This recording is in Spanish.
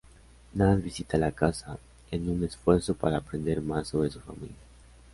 Nad visita la casa, en un esfuerzo para aprender más sobre su familia.